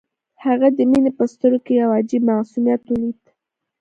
هغه د مينې په سترګو کې يو عجيب معصوميت وليد.